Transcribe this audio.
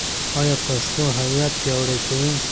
ایا پښتو هویت پیاوړی کوي؟